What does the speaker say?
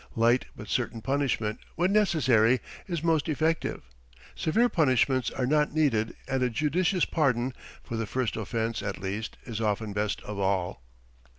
Light but certain punishment, when necessary, is most effective. Severe punishments are not needed and a judicious pardon, for the first offense at least, is often best of all.